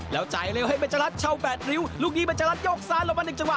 แล้วจ่ายเร็วให้มันจะรัดเช่าแบบริ้วลูกนี้มันจะรัดโยกซานลงมาหนึ่งจังหวะ